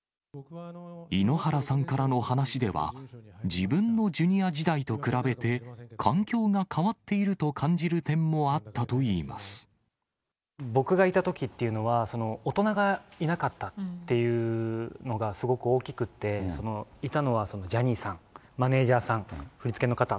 井ノ原さんからの話しでは、自分のジュニア時代と比べて、環境が変わっていると感じる点も僕がいたときというのは、大人がいなかったっていうのが、すごく大きくて、いたのはジャニーさん、マネージャーさん、振り付けの方。